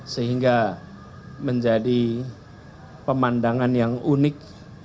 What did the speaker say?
sehingga menjadi pemandangan yang unik